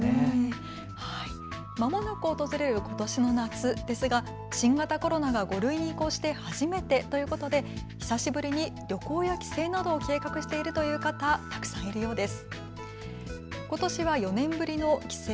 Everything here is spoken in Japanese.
まもなく訪れることしの夏ですが新型コロナが５類に移行して初めてということで久しぶりに旅行や帰省などを計画しているという方、たくさんいるようです。